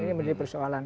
ini menjadi persoalan